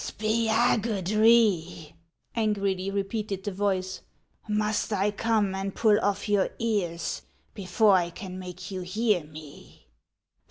" Spiagudry !" angrily repeated the voice, " must I come and pull off your ears before I can make you hear me?"